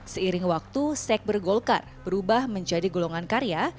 seiring waktu sekber golkar berubah menjadi golongan karya